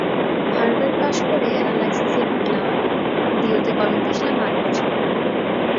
Harvard পাশ করে অ্যানালাইসিসে ঢুকলাম আমি, ডিও তে কলম পিষলাম আট বছর ধরে।